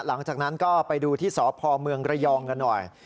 หลังจากนั้นก็ไปดูที่สพเมืองระยองกันหน่อย